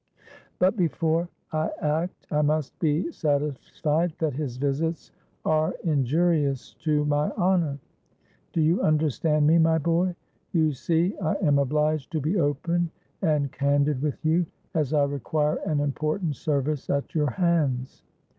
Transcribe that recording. But before I act, I must be satisfied that his visits are injurious to my honour. Do you understand me, my boy? You see, I am obliged to be open and candid with you, as I require an important service at your hands.'